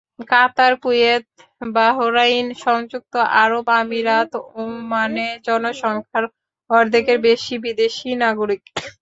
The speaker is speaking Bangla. কাতার, কুয়েত, বাহরাইন, সংযুক্ত আরব আমিরাত, ওমানে জনসংখ্যার অর্ধেকের বেশি বিদেশি নাগরিক।